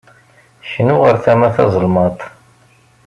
Knu ɣer tama tazelmaḍt.